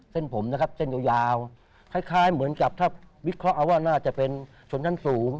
เส้นผมนะครับเส้นยาวคล้ายเหมือนกับถ้าวิเคราะห์เอาว่าน่าจะเป็นชนชั้นสูง